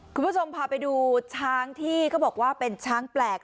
คุณผู้ชมพาไปดูช้างที่เขาบอกว่าเป็นช้างแปลก